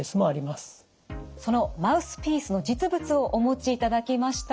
そのマウスピースの実物をお持ちいただきました。